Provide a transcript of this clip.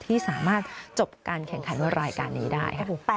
ที่สามารถจบการแข่งขันในรายการนี้ได้